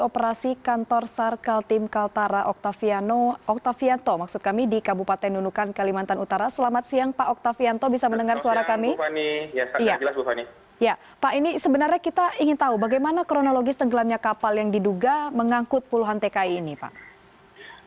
pak ini sebenarnya kita ingin tahu bagaimana kronologi tenggelamnya kapal yang diduga mengangkut puluhan tki ini pak